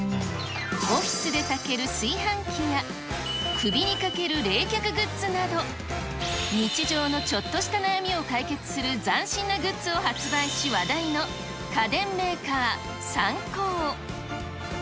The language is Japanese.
オフィスで炊ける炊飯器や、首にかける冷却グッズなど、日常のちょっとした悩みを解決する斬新なグッズを発売し話題の家電メーカー、サンコー。